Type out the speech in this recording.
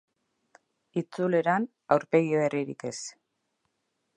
Itzuleran, aurpegi berririk ez.